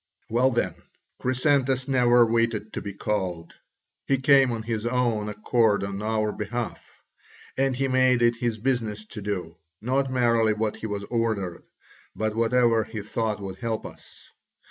"Well, then, Chrysantas never waited to be called; he came of his own accord on our behalf, and he made it his business to do, not merely what he was ordered, but whatever he thought would help us.